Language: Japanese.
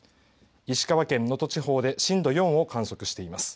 石川県、能登地方で震度４を観測しています。